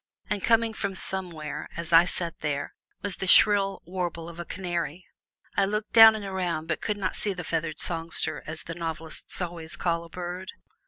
And coming from somewhere, as I sat there, was the shrill warble of a canary. I looked down and around, but could not see the feathered songster, as the novelists always call a bird.